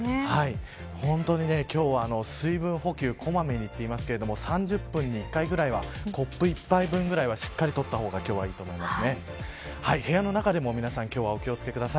本当に、今日は水分補給こまめにといっていますが３０分に１回ぐらいはコップ１杯分ぐらいは今日はしっかり取った方がいいと思います。